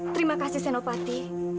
terima kasih senopati